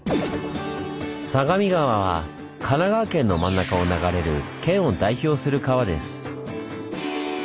相模川は神奈川県の真ん中を流れる県を代表する川です。